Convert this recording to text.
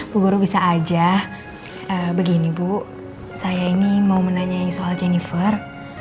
bu guru bisa aja begini bu saya ini mau menanyai soal jennifer